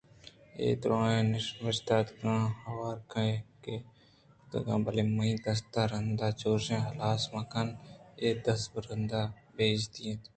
اے دُرٛاہیں نبشتگیںءَ ہئورکیں کاگد ے کُت بلئے مرد ءِ دست رندءَ چوش ہلاس مہ کن اے دز رند ءِ بے عزّتی اِنت